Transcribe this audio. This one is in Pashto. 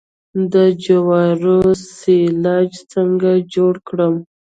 د جوارو سیلاج څنګه جوړ کړم؟